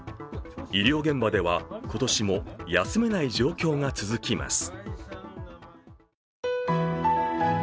医療現場では今年も休めない状況が続きます。